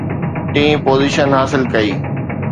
ٽين پوزيشن حاصل ڪئي